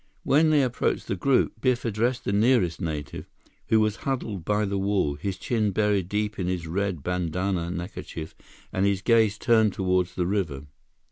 When they approached the group, Biff addressed the nearest native, who was huddled by the wall, his chin buried deep in his red bandanna neckerchief and his gaze turned toward the river.